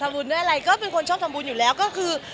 บุญด้วยอะไรก็เป็นคนชอบทำบุญอยู่แล้วก็คือ